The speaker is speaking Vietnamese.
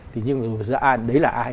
thì nhưng dù ra đấy là ai